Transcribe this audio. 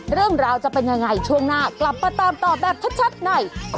เรื่องราวจะเป็นยังไงช่วงหน้ากลับมาตามต่อแบบชัดใน